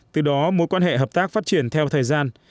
từ đó mối quan hệ hợp tác phát triển theo thời gian